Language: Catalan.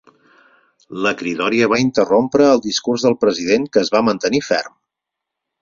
La cridòria va interrompre el discurs del president, que es va mantenir ferm.